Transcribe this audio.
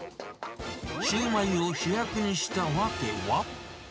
シュウマイを主役にしたわけは。